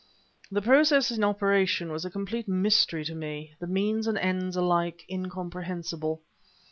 The process in operation was a complete mystery to me; the means and the end alike incomprehensible.